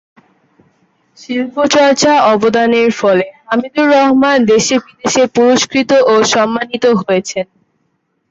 শিল্পচর্চায় অবদানের ফলে হামিদুর রহমান দেশে-বিদেশে পুরস্কৃত ও সম্মানিত হয়েছেন।